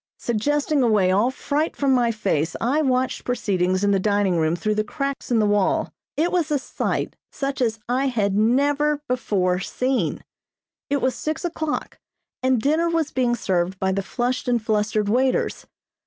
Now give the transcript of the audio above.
Suggesting away all fright from my face I watched proceedings in the dining room through the cracks in the wall. It was a sight such as I had never before seen. It was six o'clock and dinner was being served by the flushed and flustered waiters.